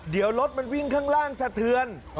เดี๋ยวรถมันวิ่งข้างล่างสะเทือน